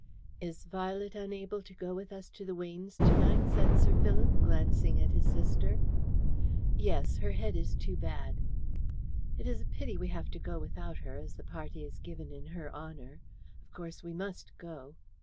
"Is Violet unable to go with us to the Weynes' to night?" said Sir Philip, glancing at his sister. "Yes; her head is too bad." "It is a pity we have to go without her, as the party is given in her honour. Of course, we must go."